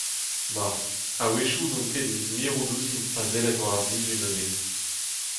Ma, a-wechoù n'on ket evit mirout ouzhin a sellet war ar sizhun ivez.